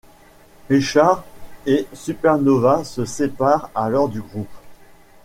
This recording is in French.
Richards, et Super Nova se séparent alors du groupe.